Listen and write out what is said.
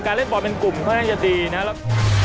เล่นบอลเป็นกลุ่มค่อนข้างจะดีนะครับ